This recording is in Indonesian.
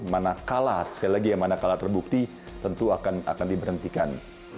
mana kalah sekali lagi ya mana kalah terbukti tentu akan diberhentikan